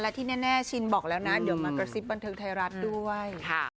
และที่แน่ชินบอกแล้วนะเดี๋ยวมากระซิบบันเทิงไทยรัฐด้วย